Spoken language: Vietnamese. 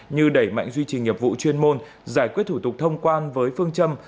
như đẩy mạnh duy trì nghiệp vụ chuyên môn giải quyết thủ tục thông quan với phương châm